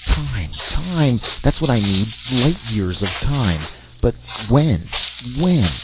Time! That's what I need. Light years of time ... But when? When?